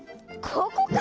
ここか！